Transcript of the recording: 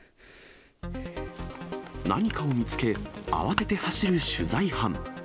何かを見つけ、慌てて走る取材班。